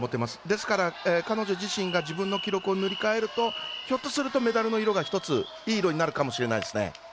ですから、彼女自身が自分の記録を塗り替えるとひょっとするとメダルの色が１ついい色になるかもしれないですね。